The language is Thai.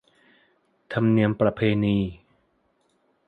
ธรรมเนียมประเพณี